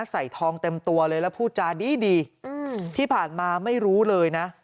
ใส่ทองเต็มตัวเลยแล้วพูดจาดีที่ผ่านมาไม่รู้เลยนะ